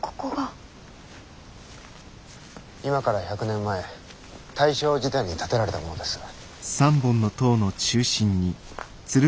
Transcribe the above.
今から１００年前大正時代に建てられたものです。